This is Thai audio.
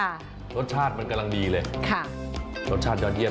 รสชาติมันกำลังดีเลย